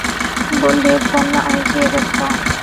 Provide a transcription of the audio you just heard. বললে, বন্যা, ঐ চেয়ে দেখো।